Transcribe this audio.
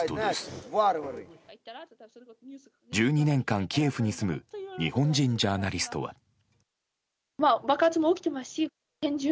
１２年間キエフに住む日本人ジャーナリストは。